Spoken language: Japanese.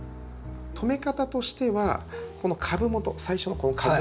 留め方としてはこの株元最初のこの株元ですね